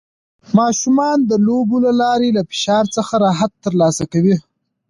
ماشومان د لوبو له لارې له فشار څخه راحت ترلاسه کوي.